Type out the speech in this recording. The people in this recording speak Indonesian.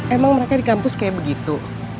emang mereka di kampus kayak begitu